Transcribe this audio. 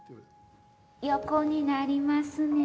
横になりますね。